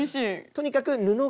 とにかく布がね